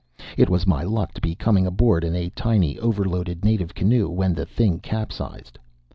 It was my luck to be coming aboard in a tiny, overloaded, native canoe, when the thing capsized.